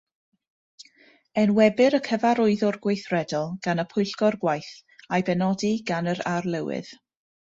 Enwebir y Cyfarwyddwr Gweithredol gan y Pwyllgor Gwaith a'i benodi gan yr Arlywydd.